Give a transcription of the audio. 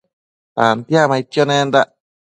Tantiacmaidquio nendac